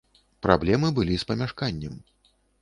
Праблемы былі з памяшканнем.